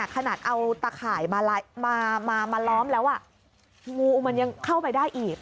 ขนาดเอาตะข่ายมาล้อมแล้วงูมันยังเข้าไปได้อีก